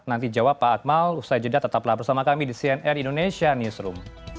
nanti jawab pak akmal usai jeda tetaplah bersama kami di cnn indonesia newsroom